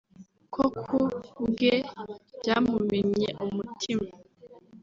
ko ku bwe byamumennye umutima